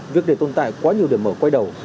việc để tồn tại quá nhiều điểm mở quay đầu